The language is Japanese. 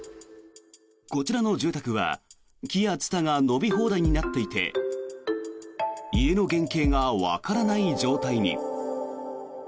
こちらの住宅は木やツタが伸び放題になっていて家の原形がわからない状態に。